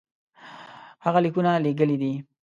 هغه لیکونه لېږلي دي.